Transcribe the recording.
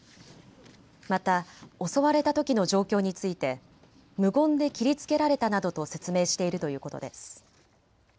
また襲われたときの状況について無言で切りつけられたなどと説明しているということです。